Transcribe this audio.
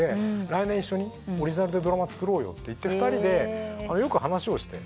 来年一緒にオリジナルでドラマ作ろうよって２人でよく話をして。